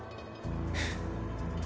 フッ。